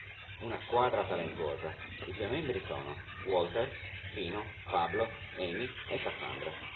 Una squadra talentuosa; i suoi membri sono: Walter, Fino, Pablo, Emy e Cassandra.